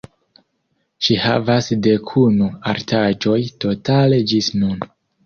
Ŝi havas dekunu artaĵoj totale ĝis nun.